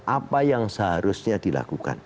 apa yang seharusnya dilakukan